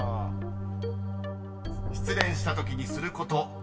［失恋したときにすること］